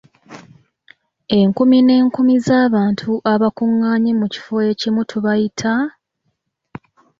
Enkumi n'enkumi z'abantu abakungaanye mu kifo ekimu tubayita?